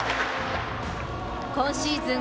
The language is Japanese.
今シーズン